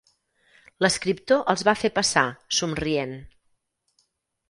L'escriptor els va fer passar, somrient.